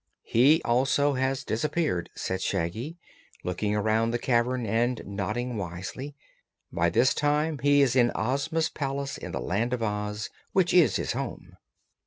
"He also has disappeared," said Shaggy, looking around the cavern and nodding wisely. "By this time he is in Ozma's palace in the Land of Oz, which is his home."